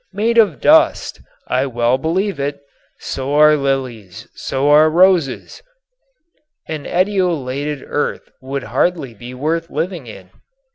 Made of dust! I well believe it, So are lilies, so are roses." An etiolated earth would be hardly worth living in.